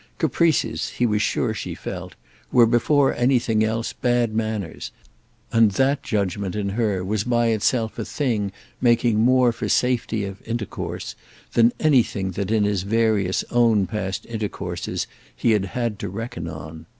Caprices, he was sure she felt, were before anything else bad manners, and that judgement in her was by itself a thing making more for safety of intercourse than anything that in his various own past intercourses he had had to reckon on.